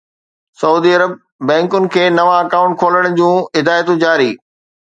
Saudi Arab: بئنڪن کي نوان اڪائونٽ کولڻ جون هدايتون جاري